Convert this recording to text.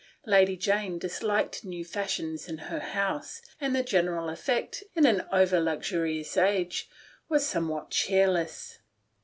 Lady Jane disliked new fashions in her house, and the general effect, in an over luxurious age, was somewhat cheerless.